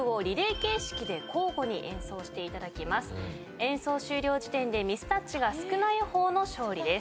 演奏終了時点でミスタッチが少ない方の勝利です。